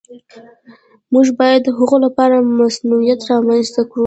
موږ باید د هغه لپاره مصونیت رامنځته کړو.